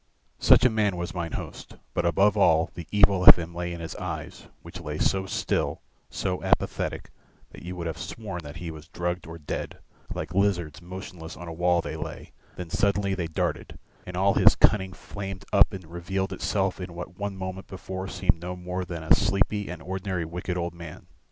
Such a man was mine host; but above all the evil of him lay in his eyes, which lay so still, so apathetic, that you would have sworn that he was drugged or dead; like lizards motionless on a wall they lay, then suddenly they darted, and all his cunning flamed up and revealed itself in what one moment before seemed no more than a sleepy and ordinary wicked old man.